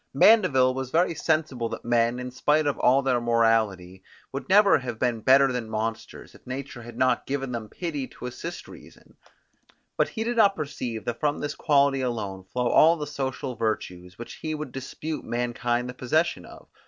Mandeville was very sensible that men, in spite of all their morality, would never have been better than monsters, if nature had not given them pity to assist reason: but he did not perceive that from this quality alone flow all the social virtues, which he would dispute mankind the possession of.